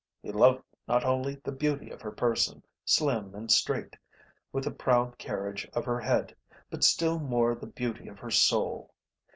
He loved not only the beauty of her person, slim and straight, with the proud carriage of her head, but still more the beauty of her soul.